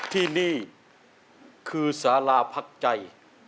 ที่นี่คือสาราพักใจ